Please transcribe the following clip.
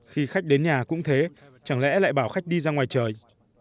khi khách đến nhà cũng thế chẳng lẽ lại bảo khách đi ra ngoài trời